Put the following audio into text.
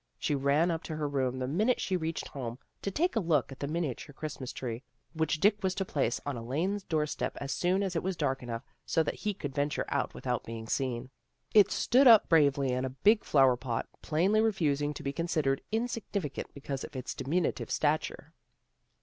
She ran up to her room the minute she reached home, to take a look at the miniature Christmas tree, which Dick was to place on Elaine's door step as soon as it was dark enough so that he could venture out without being seen. It stood up bravely in a big flower pot, plainly refusing to be considered insignificant because of its diminu tive stature.